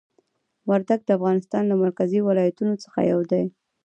وردګ د افغانستان له مرکزي ولایتونو څخه یو دی.